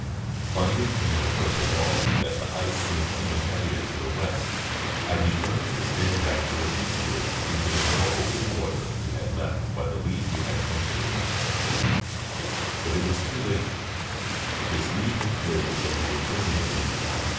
Finding from my perch aloft that the ice seemed even heavier to the west, I determined to stand back to the eastward into the 192 . National Geographic Magazine. more open water we had left by the lead we had come through ; but it was too late: this lead had closed and we were prisoners in the pack.